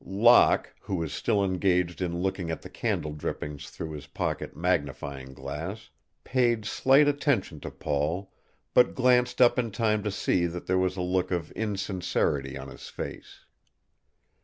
Locke, who was still engaged in looking at the candle drippings through his pocket magnifying glass, paid slight attention to Paul, but glanced up in time to see that there was a look of insincerity on his face.